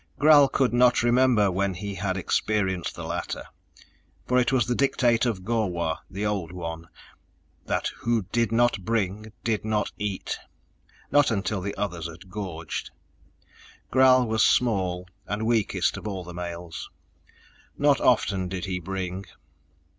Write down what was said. Gral could not remember when he had experienced the latter, for it was the dictate of Gor wah, the Old One, that who did not bring did not eat not until the others had gorged. Gral was small, and weakest of all the males. Not often did he bring.